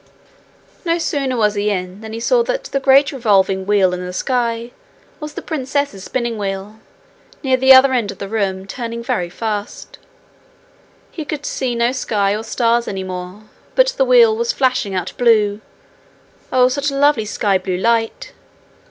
No sooner was he in than he saw that the great revolving wheel in the sky was the princess's spinning wheel, near the other end of the room, turning very fast. He could see no sky or stars any more, but the wheel was flashing out blue oh, such lovely sky blue light!